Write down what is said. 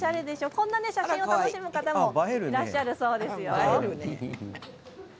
こんな写真で楽しむ方もいらっしゃるそうですよ。